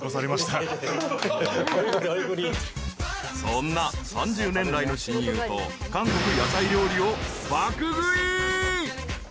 ［そんな３０年来の親友と韓国屋台料理を］